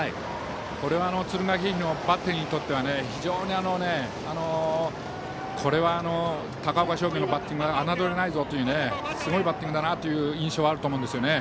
これは敦賀気比のバッテリーにとっては高岡商業のバッティングは侮れないぞというすごいバッティングだなという印象があると思うんですよね。